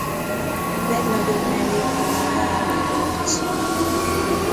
Legnagyobb mellékfolyója a Laborc.